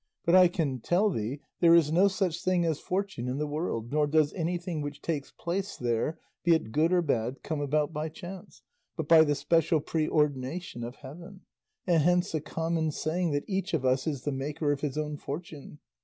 But I can tell thee there is no such thing as Fortune in the world, nor does anything which takes place there, be it good or bad, come about by chance, but by the special preordination of heaven; and hence the common saying that 'each of us is the maker of his own Fortune.